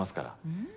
うん。